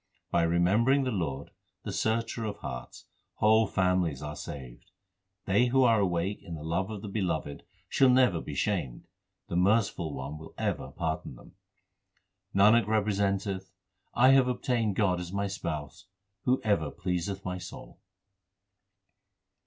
By remembering the Lord, the Searcher of hearts, whole families are saved. They who are awake in the love of the Beloved shall never be shamed ; the Merciful One will ever pardon them. Nanak representeth, I have obtained God as my Spouse who ever pleaseth my soul.